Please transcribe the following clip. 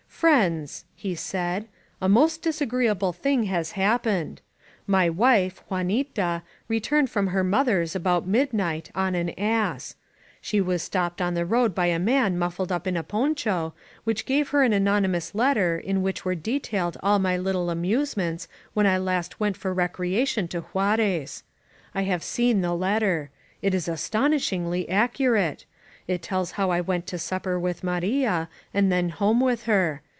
"Friends," he said, "a most disagreeable thing hag SOS INSURGENT MEXICO happened. My wife, Juanita, returned from her mother's about midnight on an ass. She was stopped on the road by a man muffled up in a poncho^ who gave her an anonymous letter in which were detailed all my little amusements when I last went for recreation to Juarez. I have seen the letter. It is astonishingly accurate! It tells how I went to supper with Maria and then home with her.